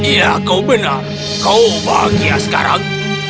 ya kau benar kau bahagia sekarang